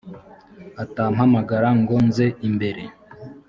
atampamagara ngo nze imbere